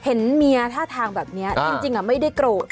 เห็นเมียท่าทางแบบนี้จริงไม่ได้โกรธ